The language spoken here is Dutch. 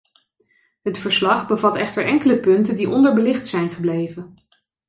Het verslag bevat echter enkele punten die onderbelicht zijn gebleven.